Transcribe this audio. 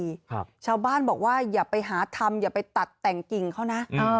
ครับชาวบ้านบอกว่าอย่าไปหาทำอย่าไปตัดแต่งกิ่งเขานะอ่า